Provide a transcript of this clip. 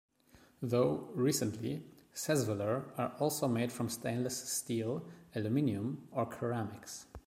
Though, recently, "cezveler" are also made from stainless steel, aluminium, or ceramics.